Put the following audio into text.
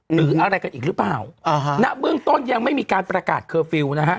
หรืออะไรกันอีกหรือเปล่าอ่าฮะณเบื้องต้นยังไม่มีการประกาศเคอร์ฟิลล์นะฮะ